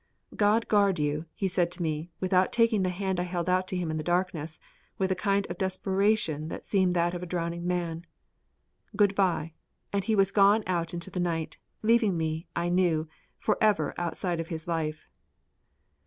"God guard you!" he said to me without taking the hand I held out to him in the darkness with a kind of desperation that seemed that of a drowning woman. "Good bye!" and he was gone out into the night, leaving me, I knew, forever outside of his life.